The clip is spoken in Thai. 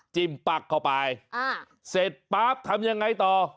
ปักเข้าไปเสร็จปั๊บทำยังไงต่อ